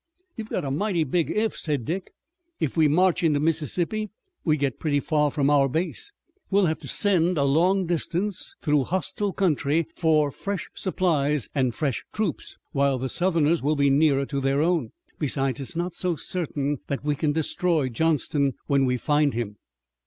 "You've got a mighty big 'if'," said Dick. "If we march into Mississippi we get pretty far from our base. We'll have to send a long distance through hostile country for fresh supplies and fresh troops, while the Southerners will be nearer to their own. Besides, it's not so certain that we can destroy Johnston when we find him."